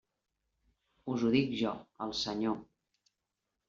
Us ho dic jo, el Senyor.